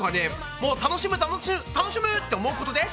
もう楽しむ楽しむ楽しむって思うことです！